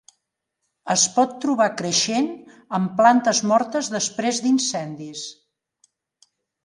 Es pot trobar creixent en plantes mortes després d'incendis.